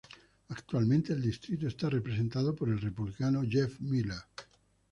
Actualmente el distrito está representado por el Republicano Jeff Miller.